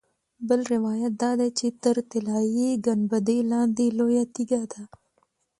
بل روایت دا دی چې تر طلایي ګنبدې لاندې لویه تیږه ده.